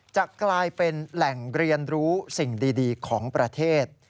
จะกลายเป็นแหล่งเรียนรู้สิ่งดีของประเทศ